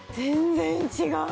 全然違う！